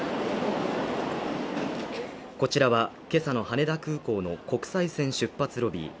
こちらはけさの羽田空港の国際線出発ロビー